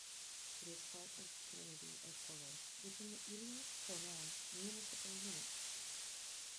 It is part of the community of Poros within the Eleios-Pronnoi municipal unit.